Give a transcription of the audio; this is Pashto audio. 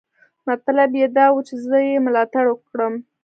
مطلب یې دا و چې زه یې ملاتړ وکړم.